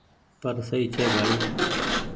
پر سئي ڇي ڀآئي ۔